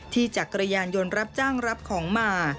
จักรยานยนต์รับจ้างรับของมา